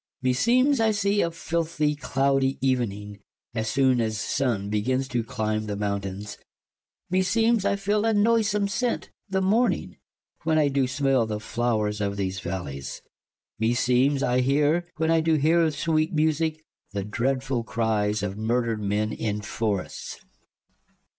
Klaius. Me seemes I see a filthie clow die evening , As soon as Sunne begins to clime the mountaines : Me seemes I feele a noysome sent , the morning When I doo smell the flowers of these v allies : Me seemes I heare , when I doo heare sweet e musique, The dreadfull cries of murdred men in forrests. Strephon.